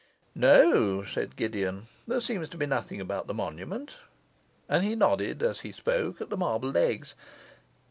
'No,' said Gideon, 'there seems to be nothing about the monument,' and he nodded, as he spoke, at the marble legs.